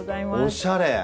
おしゃれ！